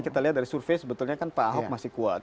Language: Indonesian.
kita lihat dari survei sebetulnya kan pak ahok masih kuat